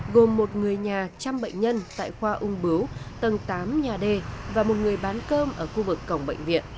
gồm một người nhà chăm bệnh nhân tại khoa ung bứu tầng tám nhà d và một người bán cơm ở khu vực cổng bệnh viện